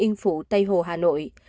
yên phụ tây hồ hà nội